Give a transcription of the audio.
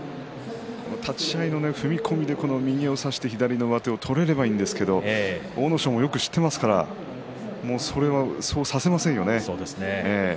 立ち合い、右の踏み込みで右の上手を取れればいいんですけど阿武咲もよく知っていますからそうはさせませんよね。